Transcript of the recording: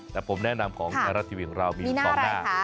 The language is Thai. แต่ผมแนะนำของราชีวิตของเรามีหน้าอะไรคะ